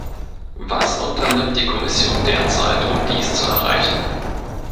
Was unternimmt die Kommission derzeit, um dies zu erreichen?